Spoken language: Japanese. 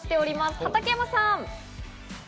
畠山さん！